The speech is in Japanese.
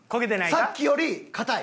さっきより硬い。